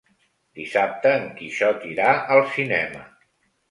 Dissabte en Quixot irà al cinema.